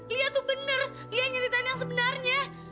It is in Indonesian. lia tuh bener lia nyelidikan yang sebenarnya